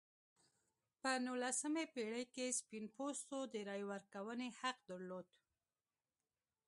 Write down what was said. په نولسمې پېړۍ کې سپین پوستو د رایې ورکونې حق درلود.